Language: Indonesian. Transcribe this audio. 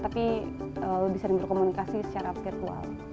tapi lebih sering berkomunikasi secara virtual